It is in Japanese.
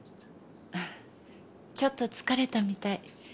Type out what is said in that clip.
ちょっと疲れたみたい。